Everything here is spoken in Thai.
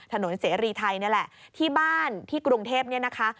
เสรีไทยนี่แหละที่บ้านที่กรุงเทพเนี่ยนะคะ